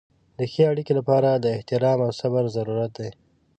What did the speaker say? د ښې اړیکې لپاره د احترام او صبر ضرورت دی.